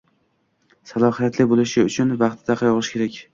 salohiyatli bo‘lishi uchun vaqtida qayg‘urishi kerak.